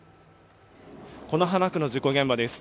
此花区の事故現場です。